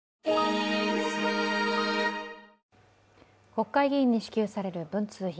国会議員に支給される文通費。